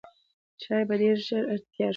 چای به ډېر ژر تیار شي.